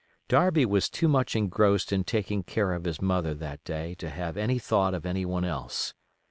Darby was too much engrossed in taking care of his mother that day to have any thought of any one else.